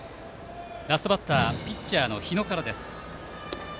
ラストバッターはピッチャーの日野から。